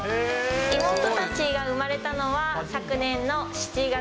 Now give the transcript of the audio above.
妹たちが生まれたのは昨年の７月。